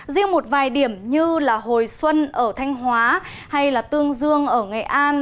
riêng một vài điểm như là hồi xuân ở thanh hóa hay là tương dương ở nghệ an